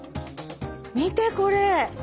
見てこれ。